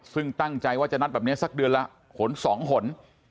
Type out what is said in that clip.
ซึ่งตั้งใจว่าจะนัดแบบนี้สักเดือนละหนสองหน